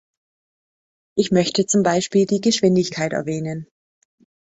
Ich möchte zum Beispiel die Geschwindigkeit erwähnen.